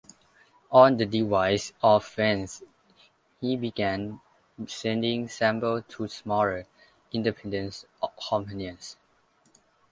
On the advice of friends, he began sending samples to smaller, independent companies.